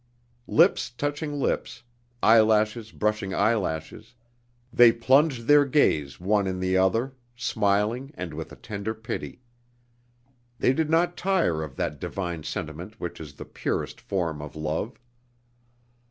Lips touching lips, eyelashes brushing eyelashes, they plunged their gaze one in the other, smiling and with a tender pity. They did not tire of that divine sentiment which is the purest form of love.